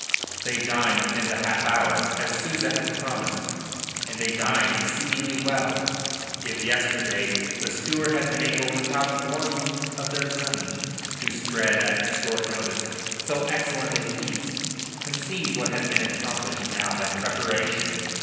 They dined within the half hour, as Souza had promised, and they dined exceedingly well. If yesterday the steward had been able without warning of their coming to spread at short notice so excellent a feast, conceive what had been accomplished now by preparation.